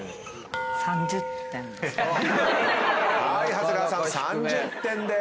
長谷川さん３０点でーす。